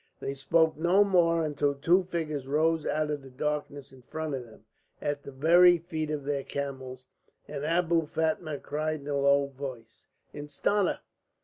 They spoke no more until two figures rose out of the darkness in front of them, at the very feet of their camels, and Abou Fatma cried in a low voice: "Instanna!"